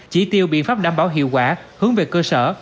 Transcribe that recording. chỉ tiêu biện pháp đảm bảo hiệu quả hướng về cơ sở